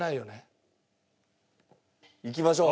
いきましょう。